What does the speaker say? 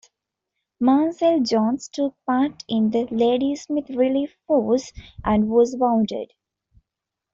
Mansel-Jones took part in the Ladysmith relief force, and was wounded.